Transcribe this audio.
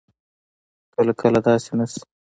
کله کله داسې نه شي